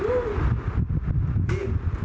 หนูร้างไม่พูด